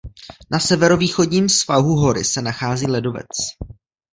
Na severovýchodním svahu hory se nachází ledovec.